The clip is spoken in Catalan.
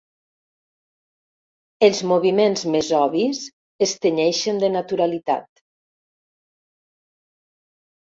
Els moviments més obvis es tenyeixen de naturalitat.